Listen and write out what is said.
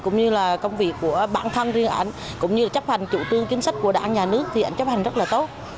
cũng như là công việc của bản thân riêng ảnh cũng như là chấp hành chủ trương kiến sách của đảng nhà nước thì ảnh chấp hành rất là tốt